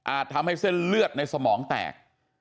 ทำให้เส้นเลือดในสมองแตก